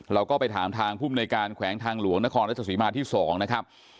เราก็ไปถามทางภูมิในการแขวงทางหลวงนครรัชศรีมาที่๒นะครับ